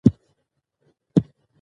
د تاریخ لیکلو لپاره کوم شرایط لازم دي؟